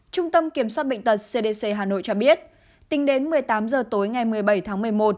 trung tâm kiểm soát bệnh tật cdc hà nội cho biết tính đến một mươi tám h tối ngày một mươi bảy tháng một mươi một